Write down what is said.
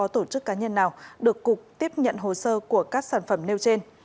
tổ chức cá nhân nào được cục tiếp nhận hồ sơ của các sản phẩm nêu trên